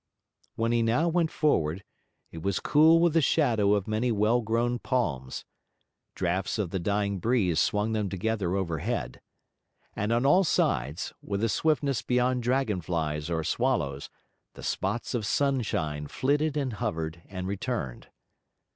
When he now went forward, it was cool with the shadow of many well grown palms; draughts of the dying breeze swung them together overhead; and on all sides, with a swiftness beyond dragon flies or swallows, the spots of sunshine flitted, and hovered, and returned.